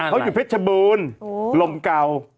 เขาอยู่เพชรบูรณ์ลมเก่า